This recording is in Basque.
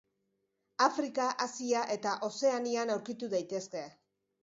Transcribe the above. Afrika, Asia eta Ozeanian aurki daitezke.